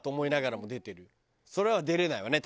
それは出れないわね